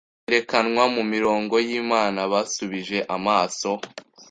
Yerekanwa mumirongo yimanaBasubije amaso